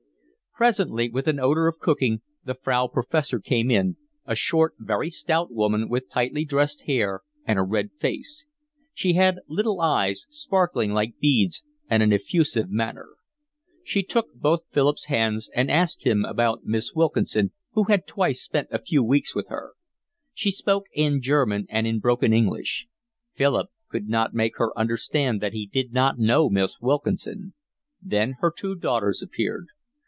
Presently, with an odour of cooking, the Frau Professor came in, a short, very stout woman with tightly dressed hair and a red face; she had little eyes, sparkling like beads, and an effusive manner. She took both Philip's hands and asked him about Miss Wilkinson, who had twice spent a few weeks with her. She spoke in German and in broken English. Philip could not make her understand that he did not know Miss Wilkinson. Then her two daughters appeared.